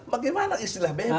bagaimana istilah bebas